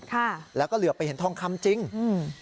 ค่ะแล้วก็เหลือไปเห็นทองคำจริงอืม